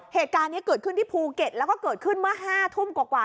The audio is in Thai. เหตุการณ์นี้เกิดขึ้นที่ภูเก็ตแล้วก็เกิดขึ้นเมื่อ๕ทุ่มกว่า